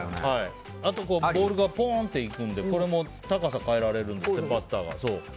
あとボールがぽーんといくので高さを変えられるんですバッターが。